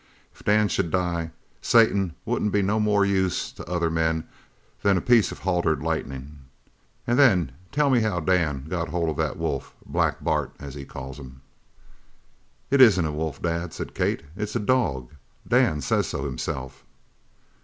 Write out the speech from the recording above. If Dan should die, Satan wouldn't be no more use to other men than a piece of haltered lightnin'. An' then tell me how Dan got hold of that wolf, Black Bart, as he calls him." "It isn't a wolf, Dad," said Kate, "it's a dog. Dan says so himself."